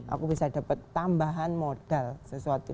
aku bisa dapat tambahan modal sesuatu